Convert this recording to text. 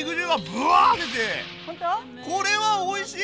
これはおいしい！